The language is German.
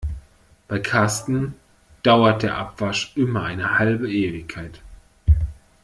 Bei Karsten dauert der Abwasch immer eine halbe Ewigkeit.